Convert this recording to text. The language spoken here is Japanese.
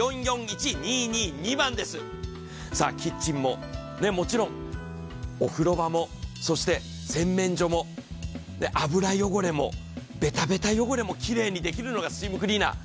キッチンももちろん、お風呂場もそして洗面所も、油汚れもべたべた汚れもきれいにできるのがスチームクリーナー。